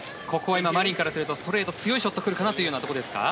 今、マリンからするとストレート、強いショットが来るかなというところですか？